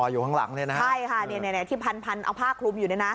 อยู่ข้างหลังเลยนะครับใช่ค่ะที่พันเอาผ้าคลุมอยู่